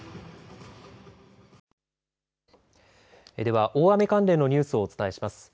では大雨関連のニュースをお伝えします。